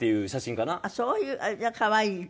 ああそういう可愛い。